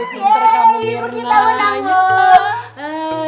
ibu kita menang bu